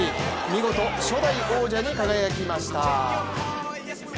見事、初代王者に輝きました。